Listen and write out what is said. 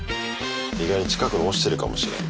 意外に近くに落ちてるかもしれん。